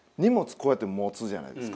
こうやって持つじゃないですか。